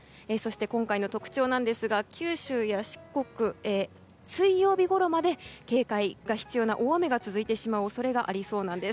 今回の特徴ですが九州や四国、水曜日ごろまで警戒が必要な大雨が続いてしまう恐れがありそうなんです。